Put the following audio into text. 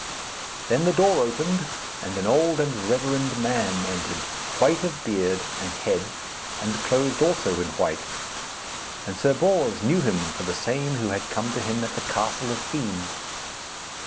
Then the door opened and an old and reverend man entered, white of beard and head, and clothed also in white; and Sir Bors knew him for the same who had come to him at the Castle of Fiends.